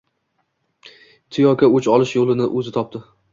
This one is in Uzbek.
Tiyoko o`ch olish yo`lini o`zi topdi